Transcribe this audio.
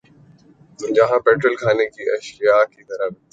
جہاں پیٹرول کھانے کی اشیا کی طرح بِکتا ہے